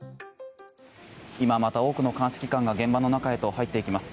今、また多くの鑑識官が現場の中へと入っていきます。